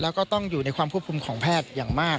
แล้วก็ต้องอยู่ในความควบคุมของแพทย์อย่างมาก